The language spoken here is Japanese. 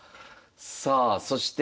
さあそして。